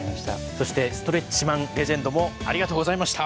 そしてストレッチマンレジェンドもありがとうございました。